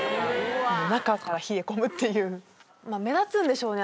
もう中から冷え込むっていう目立つんでしょうね